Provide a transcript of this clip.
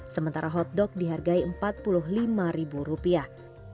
sementara hotdog dihargai empat puluh lima ribu rupiah